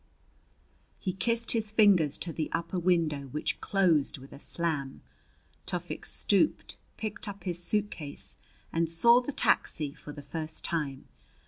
He kissed his fingers to the upper window which closed with a slam. Tufik stooped, picked up his suitcase, and saw the taxi for the first time.